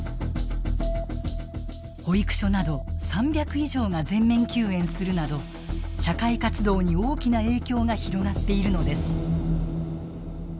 保育所など３００以上が全面休園するなど社会活動に大きな影響が広がっているのです。